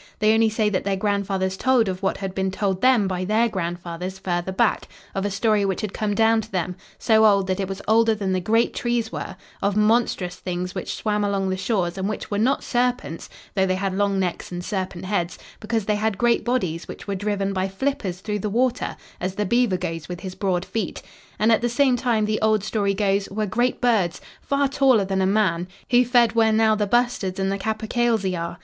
They only say that their grandfathers told of what had been told them by their grandfathers farther back, of a story which had come down to them, so old that it was older than the great trees were, of monstrous things which swam along the shores and which were not serpents, though they had long necks and serpent heads, because they had great bodies which were driven by flippers through the water as the beaver goes with his broad feet. And at the same time, the old story goes, were great birds, far taller than a man, who fed where now the bustards and the capercailzie are.